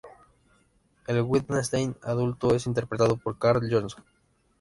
El Wittgenstein adulto es interpretado por Karl Johnson.